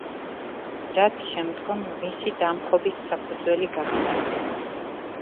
რაც შემდგომ მისი დამხობის საფუძველი გახდა.